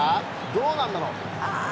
どうなんだろう。